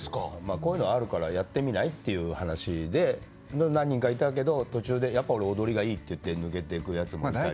こういうのあるからやってみない？っていう話で何人かいたけど途中でやっぱ俺踊りがいいって言って抜けていくやつもいたり。